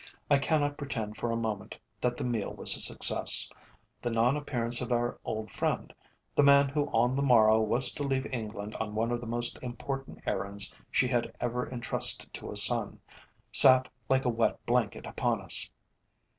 I cannot pretend for a moment that the meal was a success. The non appearance of our old friend, the man who on the morrow was to leave England on one of the most important errands she has ever intrusted to a son, sat like a wet blanket upon us.